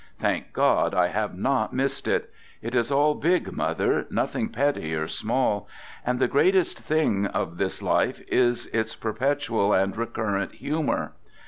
Thank God, I have not missed it! It is all big, mother, nothing petty or small. And the greatest thing of this life is its per petual and recurrent humor.